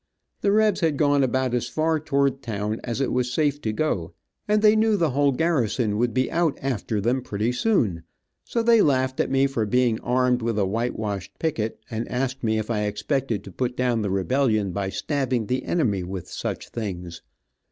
The rebs had gone about as far towards the town as it was safe to go, and and they knew the whole garrison would be out after them pretty soon, so they laughed at me for being armed with a whitewashed picket, and asked me if I expected to put down the rebellion by stabbing the enemy with such things.